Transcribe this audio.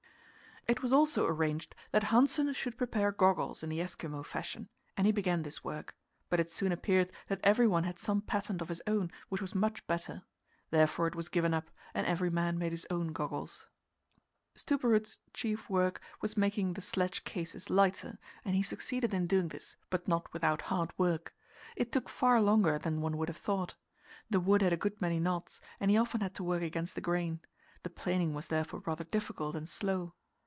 It was also arranged that Hanssen should prepare goggles in the Eskimo fashion, and he began this work; but it soon appeared that everyone had some patent of his own which was much better. Therefore it was given up, and every man made his own goggles. Stubberud's chief work was making the sledge cases lighter, and he succeeded in doing this, but not without hard work. It took far longer than one would have thought. The wood had a good many knots, and he often had to work against the grain; the planing was therefore rather difficult and slow.